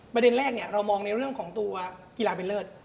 ประเด็นแรกเรามองในเรื่องของตัวกีฬาเป็นเลิศ